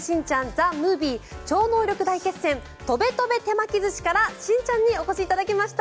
ＴＨＥＭＯＶＩＥ超能力大決戦とべとべ手巻き寿司」からしんちゃんにお越しいただきました。